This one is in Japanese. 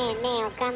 岡村。